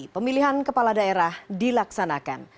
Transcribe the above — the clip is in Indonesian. pemilihan kepala daerah dilaksanakan